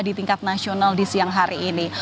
di tingkat nasional di siang hari ini